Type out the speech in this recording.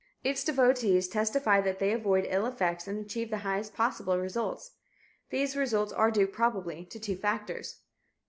Its devotees testify that they avoid ill effects and achieve the highest possible results. These results are due, probably, to two factors.